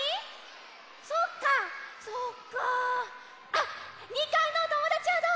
あっ２かいのおともだちはどう？